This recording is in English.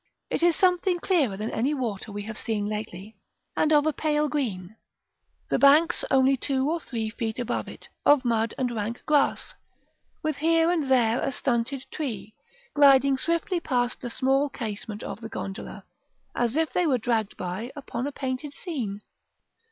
It is something clearer than any water we have seen lately, and of a pale green; the banks only two or three feet above it, of mud and rank grass, with here and there a stunted tree; gliding swiftly past the small casement of the gondola, as if they were dragged by upon a painted scene.